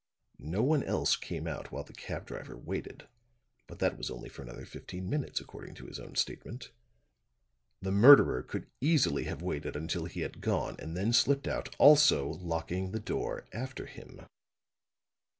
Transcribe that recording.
No one else came out while the cab driver waited; but that was only for another fifteen minutes, according to his own statement. The murderer could easily have waited until he had gone and then slipped out, also locking the door after him."